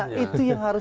nah itu yang harus